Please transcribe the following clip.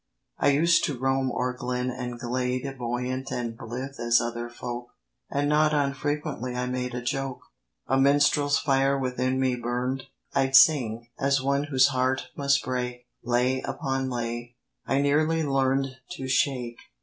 I used to roam o'er glen and glade Buoyant and blithe as other folk: And not unfrequently I made A joke. A minstrel's fire within me burn'd, I'd sing, as one whose heart must break, Lay upon lay: I nearly learn'd To shake.